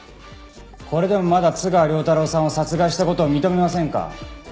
これでもまだ津川亮太郎さんを殺害した事を認めませんか？